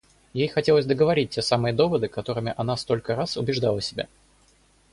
Ей хотелось договорить те самые доводы, которыми она столько раз убеждала себя.